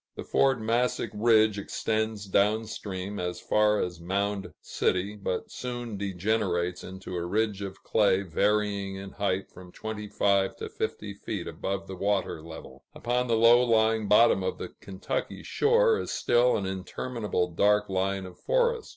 The Fort Massac ridge extends down stream as far as Mound City, but soon degenerates into a ridge of clay varying in height from twenty five to fifty feet above the water level. Upon the low lying bottom of the Kentucky shore, is still an interminable dark line of forest.